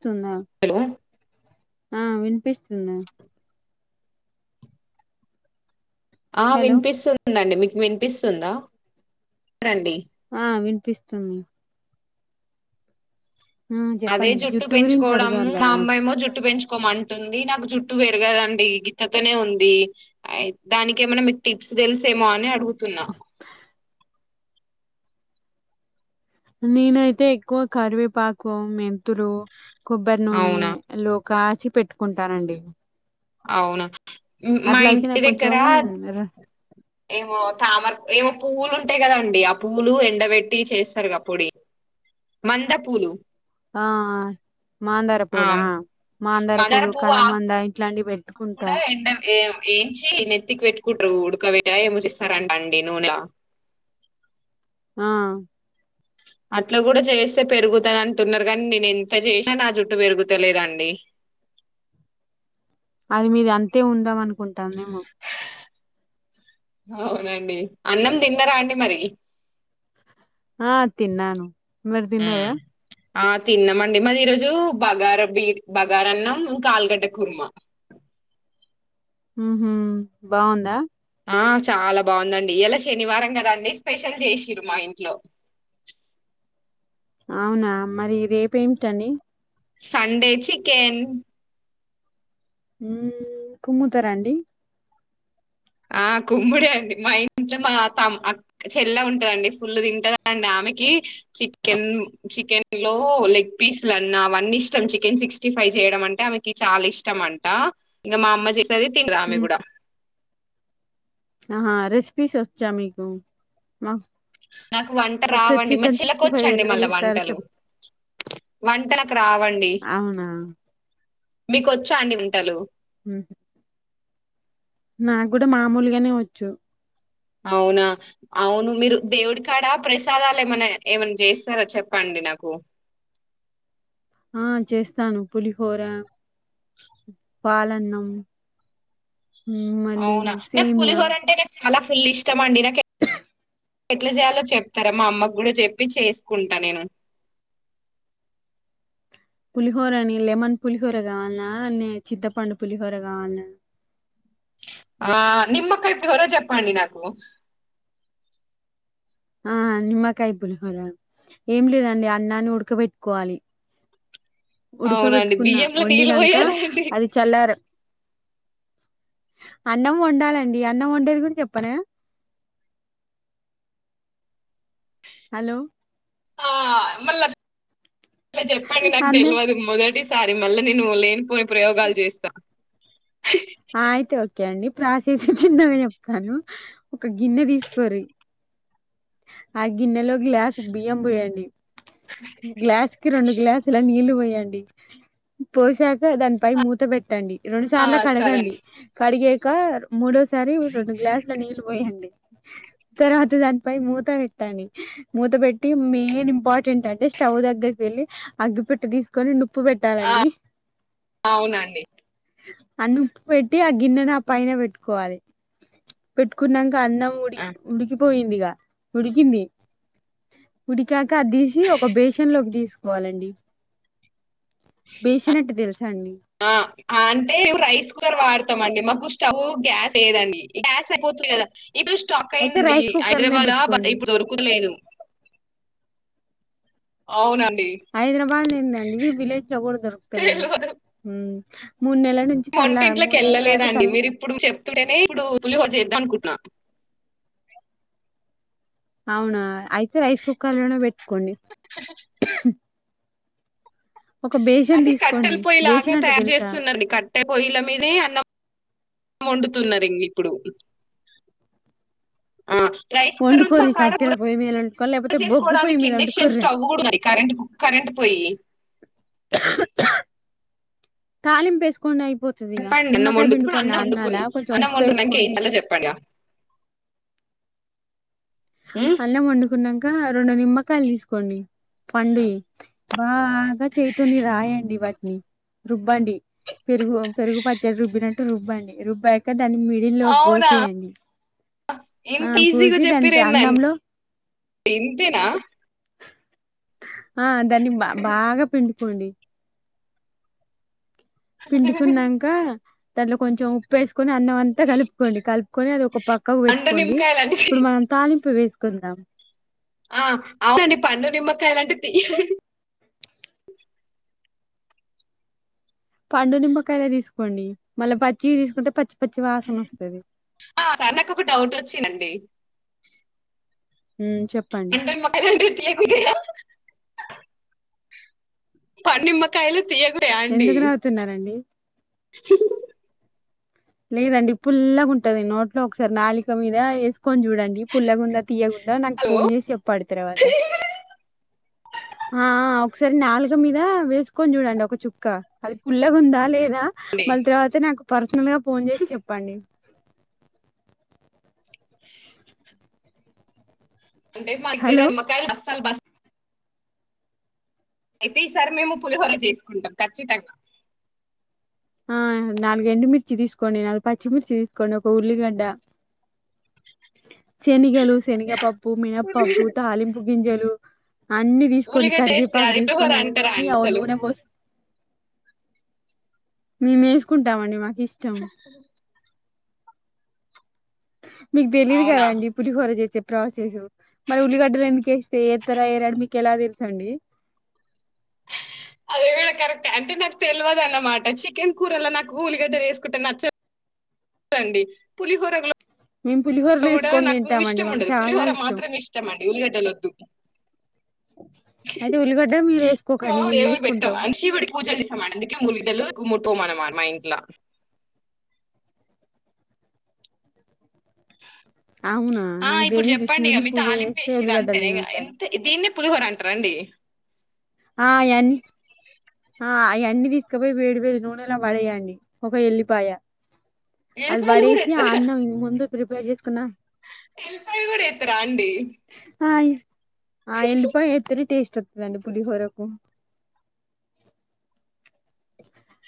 తున్నా hello ఆ వినిపిస్తుంద ఆ హలో వినిపిస్తుందండి మీకు వినిపిస్తుందా రండి పిస్తుంది అదే చెప్పండి జుట్టు గురించి పెంచుకోవడం అడిగారు మా కదా అమ్మమేమో జుట్టు పెంచ్ కొమంటుంది నాకు చుట్టు పేరుగదండి గితతనే ఉంది ఐత్ దానికి ఏమైనా మీకు టిప్స్ తెలుసేమో అని అడ్ అడుగుతున్నా నేనైతే ఎక్కువ కరివేపాకు మెంతులు కొబ్బర నూనే అవునా లో కాచి పెట్టుకుంటానండి అవునా మ్ మా అట్ల అయితే ఇంటి నాకు కొంచెం దగ్గర ఏమో తామర్ ఏమో పూలు ఉంటయి కదండి ఆ పూలు ఎండబెట్టి చేస్తారు గా పొడి మంద పూలు ఆ మాందార పూలా ఆ మాందార పూలు కలమంద ఇట్లాంటివి పెట్ అపుడు ఎండా ఏం ఏంచి నెత్తికి పెట్టుకున్ కుట్రూ ఉడకపేటా ఆ ఏమో చేస్తారంట అండి నుండ్ల ఆ అట్లా కూడా చేస్తే పెరుగుతాద్ అంటున్నారు కానీ నేను ఎంత చేసినా నా చుట్టూ పెరుగుత లేదండి అది మీది అంతే ఉందాం అనుకుంటు టాందేమో అవునండి అన్నం తిన్నర అండి మరి ఆ తిన్నాను మరి తిన్నార మ్మ్ ఆ తిన్నామండి మాది ఈరోజు బగార బీ బగారాన్నం ఇంకా ఆలుగడ్డ కుర్మ ఉమ్ హు బాగుందా ఆ చాలా బాగుందండి ఇలా శనివారం కదండి స్పెషల్ చేసిరు మా ఇంట్లో అవునా మరి రేప్ ఏమిటండి సండే చికెన్ ఉ కుమ్ముతారా అండి ఆ కుమ్ముడే అండి మా ఇంట్లో మా త చెల్లె ఉంటదండి ఫుల్ తింటదండి ఆమెకి చికెన్ చికెన్ లో లెగ్ పీస్లు అన్నా అవన్నీ ఇష్టం చికెన్ సిక్స్టీ ఫైవ్ చేయడం అంటే ఆమెకి చాలా ఇష్టం అంట ఇంకా మా అమ్మ చెస్ సరే తిన్ర ఆమె మ్మ్ కూడా ఆహా రెసిపీస్ వచ్చా మీకు మా నాకు వంట ఒకసారి రావండి మా చికెన్ చిల్లక సిక్స్టీ ఫైవ్ వచ్చండి ఎలా మళ్ళా చేస్తారు వంటలు చెప్ వంట నాకు రావండి అవునా మీకు వచ్చా అండి వంటలు ఉమ్ నా కూడా మామూలుగానే వచ్చు అవునా అవును మీరు దేవుడి కాడ ప్రసాదాలు ఏమైన్నా ఏమైనా చేస్తార చెప్పండి నాకు ఆ చేస్తాను పులిహోర [inaudible] పాలనం అవునా నాకు పులిహోర అంటే అలా ఫుల్ ఇష్టమండి ఎట్లా చేయాలో చెప్తారా మా అమ్మ కూడా చెప్పి చేసుకుంటా నేను పులిహోరని లెమన్ పులిహోర కావాలనా అే చింతపండు పులిహోర కావాలన్నా ఆ నిమ్మకాయ పులిహోర చెప్పండి నాకు ఆ నిమ్మకాయ పులిహోర ఏం లేదండి అన్నాన్ని ఉడకబెట్టుకోవాలి. అవునండి ఉడకబెట్టుకున్నా బియ్యంలో నీళ్ళు వండినంక పోయాలండి అది చల్లారు అన్నం వండాలండి అన్నం వండేది కూడా చెప్పనా హలో ఆ మళ్ళ ఇ చెప్పండి నాకు అంద తెలియదు మొదటి స్ సారి మళ్ళ నేను ఓలే కొన్ని ప్రయోగాలు చేస్తా ఆ అయితే ఓకే అండి ప్రాసేస్ చిన్నగా చెప్తాను ఒక గిన్నె తీసుకోరి ఆ గిన్నెలో గ్లాసు బియ్యం పోయ్యడి గ్లాస్కి రొండు గ్లాస్ లా నీళ్లు పోయండి యండి పోసాక దానిపై మూత పెట్టండి ఇరండు ఆ చాల [unintelligible] కడగండి సరేండి కడిగాక మూడోసారి రెండు గ్లాసుల నీళ్ళు పోయండి తర్వాత దానిపై మూత పెట్టండి మూత పెట్టి మెయిన్ ఇంపార్టెంట్ అంటే స్టవ్ దగ్గరికి వెళ్ళి అగ్గి పెట్టె తీసుకొని ను ఉప్పు ఆ పెట్టాలండి. అవునండి అన్నప్పు పెట్టి ఆ గిన్నెను ఆ పైన పెట్టుకోవాలి పెట్టుకున్నంక అన్నం ఆ ఉడికి ఉడికి పోయిందిగా ఉడికింది ఉడికాక ఇంకా తీసి ఒక బేషన్ లోకి తీసుకోవాలండి. [unintelligible] బేషన్ అంటే తెలుసా అండి ఆ అంటే రైస్ స్ కుక్కర్ వాడతాం అండి మాకు ష్టవు గ్యాస్ ఏదండి గ్యాస్ అయిపోతుంది కదా ఇప్పుడు స్టాక్ అయితే అయిందండి రైస్ కుక్కర్నే హైదరాబాద బ పెట్టుకోండి ఇప్పుడు దొరుకుతలేదు. అవున హైదరాబాద్ నింద అండి విలేజ్ లొ ఎవరు దొరుకుతలేరు. తెల్వదు [unintelligible] వంటింట్లోకి వెళ్ళలేదండి తల్ల మీరు ఇప్పుడు చెప్తుంటేనే ఇప్పుడు పులిహోర చేద్దా అనుకుంటు న్నా అవునా అయ్ రైస్ కుక్కర్లోనే పెట్కోండి అది తీసుకోండి కట్టెల పొయ్యిలాగా బేషన్ అంటే తయారు తెలుసా చేస్తున్నడి కట్టె పొయ్యల మీదే అన్నమ్ వండుతున్నారు ఇంక్ ఇప్పుడు ఆ రైస్ కుక్కర్ ఉంది మా వండ్కోరి కాడ కట్టెల కూర పొయ్యి మీద ఉంటే చేసుకోవడానికి ఇండక్షన్ స్టవ్ కూడా ఉంది కరెంట్ కరెంట్ పోయి తాలీంప్ వేసుకోండి అయ్ చెప్పండి అన్నం వండుకుడు అన్నం వండుకున్నాం కొంచెం అన్నం ఉప్పు వండుకున్నాంక వేసుకోండి ఏయిందల్ చెప్పండుగా ఉమ్ అన్నం వండుకునా రెండు నిమ్మకాలు తీసుకోండి పండు బాగా చేతోని రాయండి వాటిని రుబ్బండి పెరుగు పెరుగు పచ్చది రుబ్బినట్టు రుబ్బండి రుబ్బాయక దాన్నీ మిడిల్ లోకి అవునా కోసేయండి ఆ ఇంత ఈజీగా కోసి చెప్పిర్రు ఏందండి అన్నంలో ఇంతేనా ఆ దాన్ని బా బాగా పిండుకోండి పిండికున్నాక తల్లో కొంచెం ఉప అన్నంతా కలుపుకోండి కల్పు కొ పక్కకు పండు పెట్టుకోండి నిమ్మకాయలు అంటే ఇప్పుడు మనం తాలింపు వేసు కుంద ఆ అదండి పండు నిమ్మకాయ లాంటి తీయ ప పాడుునింమాకాయలా తీసు పకోండి మళ్ళీ పచ్చి తీసుకుంటే పచ్చి పచ్చి వాసన వస్తది ఆ సార్ నాకు ఒక డౌట్ వచ్చిందండి ఊ చెప్పండి తీయకుదిగా ప నిమ్మకాయలు తియ్యకు [inaudible] అండి ఎందుకు నవ్వుతున్నారండి లేదండి పుల్లగుంటది నోట్లో ఒకసారి నాలిక మీద ఏసు కొని చూడండి పుల్లగుందా తియ్యగుందా నాకు హలో ఫోన్ చేసి చెప్పడు తర్వాత ఆ ఆ ఒకసారి నాలుక మీద వేసుకొని చూడండి ఒక చుక్క అది పుల్లగుందా లేదా అ అండి మళ్ తర్వాత నాకు పర్సన మ్యాప్ ఫోన్ చేసి చెప్పండి అంటే మా దగ్గర హలో నిమ్మకాయలు అస్సలు బస్ అయితే ఈసారి మేము పులిహోర చేసుకుంటాం ఖచ్చితంగా ఆ నాలుగు ఎండుమిర్చి తీసుకోండి నాలుగు పచ్చిమిర్చి తీసుకోండి ఒక ఉల్లిగడ్డ శనిగలు శనగపప్పు మినప్పప్పు తాలింపు గింజలు అన్ని తీసుకోండి ఉల్లిగడ్డ వేస్తే కరివేపాకు అది పులిహోర తీసుకొని అంటారా అన్ని అండి అవ అసలు నూనె పోసు మేము వేసుకుంటామండి మాక్ ఇష్టం మీకు తెలీదు కదా అవునా అండి పులిహోర చేసే ప్రసేసు మరి ఉలిగడ్డలో ఎందు కేస్త ఎతర ఎయ్యరా మీక్ ఎలా తెల్ అండి అది కూడా కరెక్ట్ అంటే నాకు తెల్వదు అన్నమాట చికెన్ కూరలో నాకు ఊలిగడ్డ లేసుకుంటే నచ్చ అండి పులిహోర లో మేము పులిహోరలో కూడా వేసుకొని నాకు తింటామండి ఇష్టం మాకు ఉండదు చాలా పులిహోర మాత్రమే ఇష్టం అండి ఉల్లిగడ్డ లు వద్దు అయితే ఉల్లిగడ్డ మీరు ఎసుకోకండి మేము ఎసుకుంటాం ఉల్లి [unintelligible] ఎక్కువ మ్ మా ఇంట్ల అవునా ఆ నాకు ఇప్పుడు తెలిదే చెప్పండి ఇగ శివునికి మీ పూజ తాలింపు చేస్తే ఏసిర్రు ఉల్లిగడ్డ అంతేనా ఇగ తినొద్దని ఎంత దీన్నే పులిహోర అంటారండి ఆ అయన్ ఆ అయన్ని తీసుకపోయి వేడి వేడి నూనెలా పడేయండి ఒక ఎల్లిపాయ అవి ఎల్లిపాయలు కూడా బడేసి ఆ అన్నం ఇవి ముందు ప్రిపేర్ జేసుకున్న ఎల్పాయి కూడా ఎతరా అండి ఆయ్ ఆ ఎల్లిపాయ్ ఎతేనే టేస్ట్ రెండు పులిహోర కు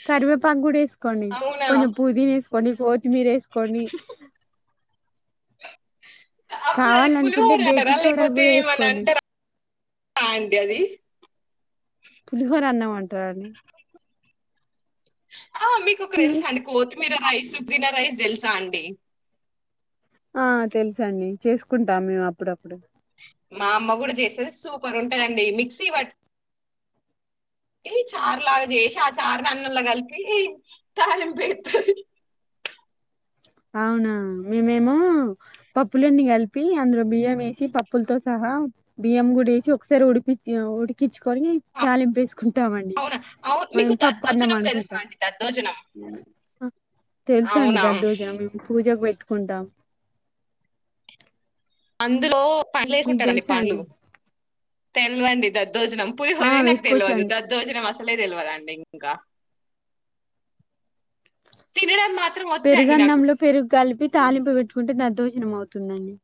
కరివేపాకు గూడా ఎసుకోండి అవునా కొంచం పోదీన్ ఎస్ కొని [unintelligible] మీరు ఎసుకొని అప్పుడు అది కావాలనుకుంటే పులిహోర అంటారా బేకింగ్ సోడా లేకపోతే కూడా ఏమన వేసుకోండి అంటారా అండి అది పులిహోర అన్నమన్ టాని ఆ మీకు ఒకరు తెలుసా అండి కొత్తిమీర రైస్ సుబ్బిన రైస్ తెలుసా అండి ఆ తెలుసు అండి చేసుకుంటాం మేము అప్పుడప్పుడు మా అమ్మ గుడా చేసేది సూపర్ ఉంటాది అండి మిక్సీ వట్ ఏ చారులాగా చేసి ఆ చారుని అన్నంలో కలిపి తాలింపు ఎత్తది అవునా మేమేమో పప్పులు అన్ని కలిపి అందులో బియ్యం వేసి పప్పులతో సహా బియ్యం గూడా వేసి ఒకసారి ఉడిపి ఉడికిచ్చుకొని తాలింపు ఎసుకొ అవునా అవు మీకు దద్దోజనం తెలుసా అనుకుంటాం అండి దద్దోజనం అవునా జామ్ మేము పూజకు పెట్టుకుంటాం అందులో పండ్లు మీకు ఏసుకుంటారండి తెలుసా పండ్లు అండి తెల్వంది దట్ దోజనం ఆ పులిహోర నాక్ తెలవదు వేసుకోవచ్చండి దద్దోజనం అస్ అసలే తెలవదు అండీ ఇంకా తినడం మాత్ పెరుగన్నంలో పెరుగు కలిపి తాలింపు పెట్టుకుంటే దద్దోజ నం అవుతుందండి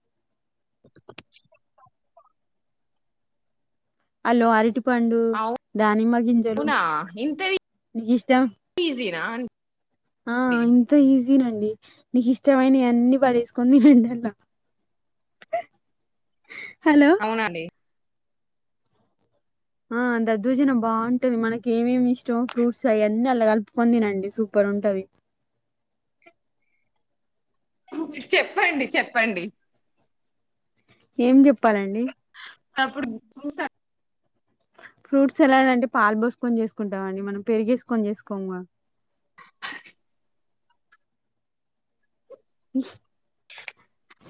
అలో అరటిపు పండు దానిమ్మ గింజలు అవునా? ఇంత నీకు ఇష్టం ఈజీనా ఆ అండి? అంత ఈజీ తినండి నీకు ఇష్టమైన అన్ని వదిఏసుకొని తినండి హలో అవును అండి ఆ దద్దోజనం బాగుంటది మనకి ఏమేమి ఇష్టమో ఫ్రూట్స్ అవి అన్నీ అల్లా కలుపుకోని తినండి సూపర్ ఉంటది చెప్పండి చెప్పండి ఏం చెప్పాలండి అప్పుడు చూసా ఫ్రూట్స్ సలాడ్ అంటే పాలు పోసుకొని చేసుకుంటా మండి మనం పెరుగు ఏసుకొని చేసుకోము గా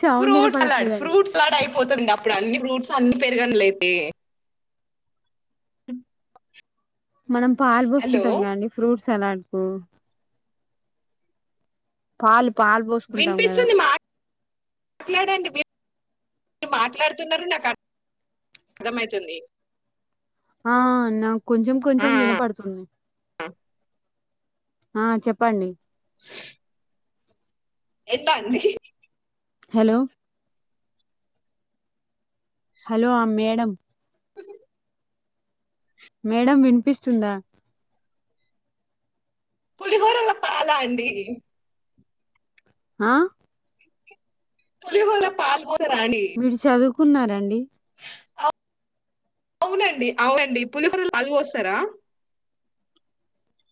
సౌండ్ ఫ్రూట్ సలాడ్ వినపడట్లేదండి ఫ్రూట్ సలాడ్ అయిపోతుంద అప్పుడు అన్ని ఫ్రూట్స్ అన్ని పెరిగను లేండి మనం పాలు హలో పోసుకుంటాం కదండీ ఫ్రూట్స్ సలాడ్ కు పాలు పాలు పోసుకుంటాం కదా వినిపిస్తుంది మా మాట్లాడండి మీరు మాట్లాడుతున్నారు నాకు అర్ ర్థమయితుంది ఆ నా కొంచెం కొంచెం వినపడుతుంది ఆ చెప్పండి ఎంత అంది హలో హలో మేడం మేడం వినిపిస్తుందా పులిహోరల పాల అండి ఆ పులిహోర పాల్ పోత్ త్తర అని కున్నారంండి అవునండి అవునండి పులిహోర లు పోస్తారా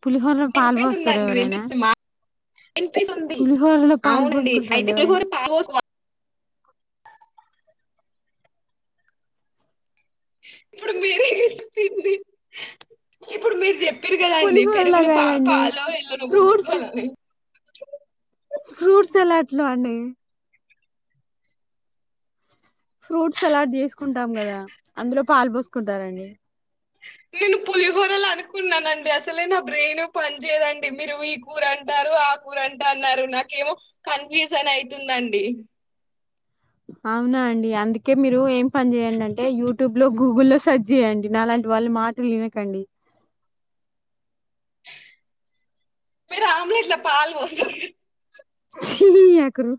పులిహోర పాల్ పోస్తార వినిపిస్తుందండి ఎవరైనా వినిపిస్తుంది మా వినిపిస్తుంది పులిహోరలో పాలు అవునండి అయితే పోసుకుంటారండి ఎవరైనా పులిహోర పాల్ పోసుకోరా ఇప్పుడు మీరే చెప్పింది ఇప్పుడు మీరు చెప్పిరు కదా అండి పులిహోరలో పెరుగుల పా కాదండి పాలో ఎల్ళను్ పూసుకోవాలని [inaudible] ఫ్రూట్ సలాడ్లో అండి ఫ్రూట్ సలాడ్ చేసుకుంటాం కదా అందులో పాలు పోసుకుంటారంండి నేను పులిహోరలో అనుకున్నానండి అసలే నా బ్రెయిన్ పని చేయదండి మీరు ఈ కూర అంటారు ఆ కూర అంటన్నారు నాకేమో కన్ఫ్యూజన్ అయితుందండి అవునా అండి అందుకే మీరు ఏం పని చేయండింటే యూట్యూబ్ లో గూగుల్లో స సజ్జేయండి నాలంటి వాళ్ళ మాటలు వినకండి మీరు ఆమ్లెట్ల పాలు పోస్తరా చీ ఎకరు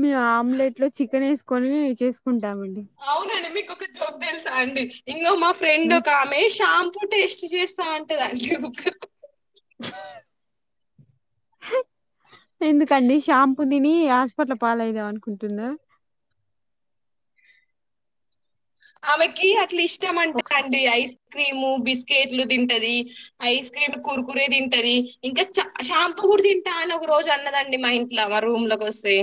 మేము ఆమ్లెట్ లో చికెన్ వేసుకొని చేసుకుంటామండి అవునండి మీకు ఒక జోక్ తెలుసా అండి ఇంగో మా ఫ్రెండ్ ఒక ఆమె షాం పు టేస్ట్ చేస్తా అంటదండీ ఎందుకండి షాంపూ తిని హాస్పిటల్ పాలయిదాం అనుకుంటుందా ఆమెకి అట్ల్ ఇష్ట ష్టం అంటా ఒకసారి అండి ఐస్ క్రీము బిస్కెట్లు తింటది ఐస్ క్రీమ్ కురకురే తింటది ఇంకా చ షాంపూ కూడా తింటా అని ఒక రోజు అన్నదండి మా ఇంట్లో మా రూమ్ లోకి వస్తే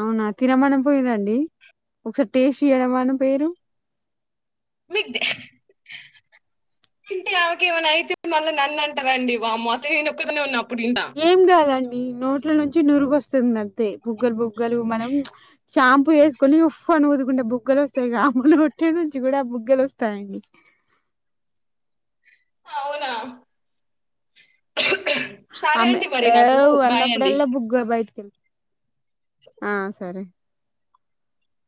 అవునా తినమని పొయ్యిర్ర అండి ఒకసారి టేస్ట్యడమాన పోేరు మీకు అంటే ఆమెకేమైనా అయితే మళ్ళా నన్ను అంటారండి వామ్మో అసలే నొక్కదాన్నే ఉన్నా అప్పుడు ఇంట్ల. ఏం కాదండి నోట్ల నుంచి నురుగ వస్తుంది అంతే బుగ్గలు బుగ్గలు మనం షాంపూ వేసుకొని ఉఫ్ అని ఊదుకుంటే బుగ్గలు వస్తాయి గా రొట్టే నుంచి కూడా బుగ్గలు వస్తాయండి అవునా సరే ఆమె అండి మరి నాకు. ఏవ్ బాయ్ అండి. అన్నప్పుడల్లా బుగ్గలు బయటకు వ ఆ సరే